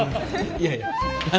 いやいや。